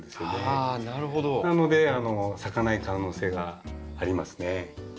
なので咲かない可能性がありますね。